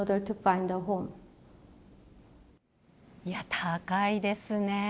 いや、高いですね。